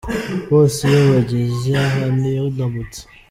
bose iyo bageze aha ni yo ndamutso.